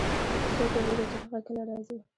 څوک پوهیږي چې هغه کله راځي